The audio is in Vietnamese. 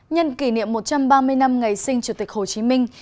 nhân kỷ niệm một trăm ba mươi năm ngày sinh chủ tịch hồ chí minh